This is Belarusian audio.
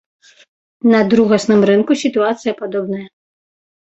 На другасным рынку сітуацыя падобная.